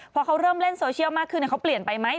พอเขาเริ่มเล่นโซเชียลมากขึ้นเขาเปลี่ยนไปไหม